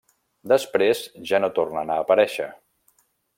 Després ja no tornen a aparèixer.